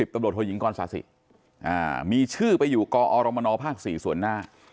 ตำรวจโทยิงกรศาสิมีชื่อไปอยู่กอรมนภ๔ส่วนหน้า